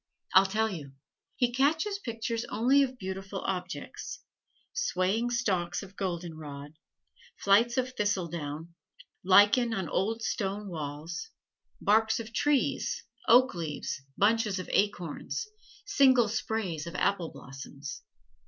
I'll tell you. He catches pictures only of beautiful objects: swaying stalks of goldenrod, flights of thistle down, lichen on old stone walls, barks of trees, oak leaves, bunches of acorns, single sprays of apple blossoms.